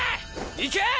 いけ！